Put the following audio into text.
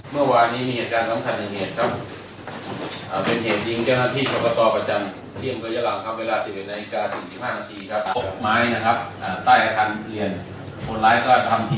เมื่อวานี้มีอาการสัมภัณฑ์ในเหตุครับ